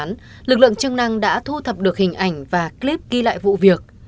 trong quán lực lượng chương năng đã thu thập được hình ảnh và clip ghi lại vụ việc